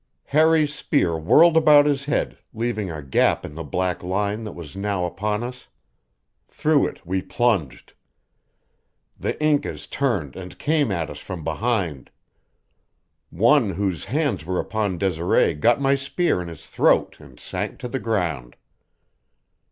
Harry's spear whirled about his head, leaving a gap in the black line that was now upon us. Through it we plunged. The Incas turned and came at us from behind; one whose hands were upon Desiree got my spear in his throat and sank to the ground.